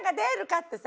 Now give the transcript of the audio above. ってさ。